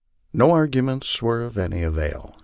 No arguments were of any avail.